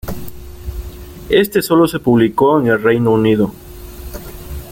Este solo se publicó en el Reino Unido.